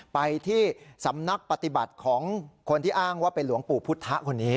ไปที่สำนักปฏิบัติของคนที่อ้างว่าเป็นหลวงปู่พุทธคนนี้